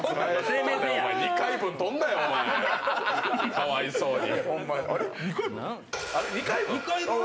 かわいそうに。